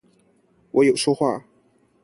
我有說話